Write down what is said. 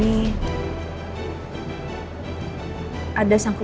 dia udah berpikir